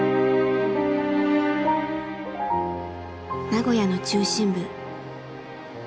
名古屋の中心部。